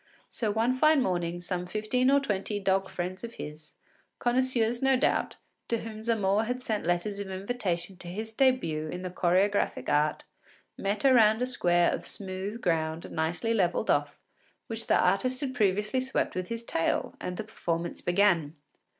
So one fine morning some fifteen or twenty dog friends of his, connoisseurs no doubt, to whom Zamore had sent letters of invitation to his début in the choregraphic art, met around a square of smooth ground nicely levelled off, which the artist had previously swept with his tail, and the performance began.